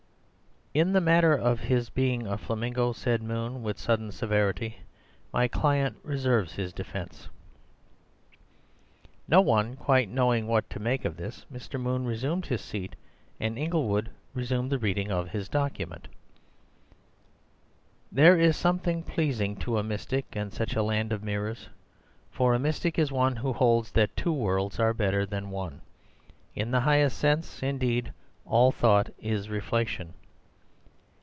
"In the matter of his being a flamingo," said Moon with sudden severity, "my client reserves his defence." No one quite knowing what to make of this, Mr. Moon resumed his seat and Inglewood resumed the reading of his document:— "There is something pleasing to a mystic in such a land of mirrors. For a mystic is one who holds that two worlds are better than one. In the highest sense, indeed, all thought is reflection.